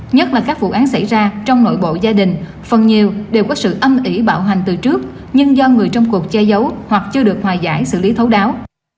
nhất là các vụ án xảy ra trong nội bộ gia đình phần nhiều đều có sự âm ỉ bạo hành từ trước nhưng do người trong cuộc che giấu hoặc chưa được hòa giải xử lý thấu đáo